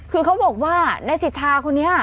คือเขาบอกว่าในศิษฐาคนนี้